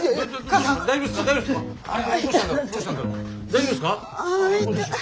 大丈夫ですか？